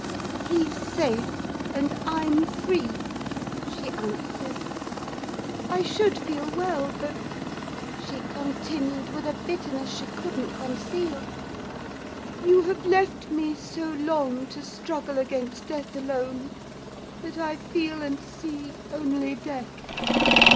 "'He's safe, and I'm free,' she answered: 'I should feel well—but,' she continued, with a bitterness she couldn't conceal, 'you have left me so long to struggle against death alone, that I feel and see only death!